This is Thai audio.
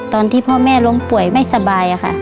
ตอนที่พ่อแม่ล้มป่วยไม่สบายค่ะ